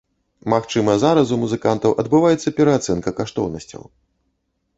Магчыма, зараз у музыкантаў адбываецца пераацэнка каштоўнасцяў.